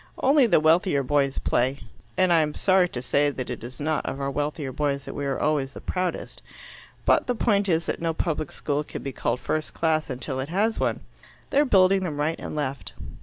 Only the wealthier boys play and I'm sorry to say that it is not of our wealthier boys that we are always the proudest. But the point is that no public school can be called first class until it has one. They are building them right and left."